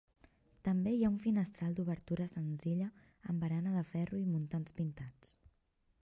També hi ha un finestral d'obertura senzilla amb barana de ferro i muntants pintats.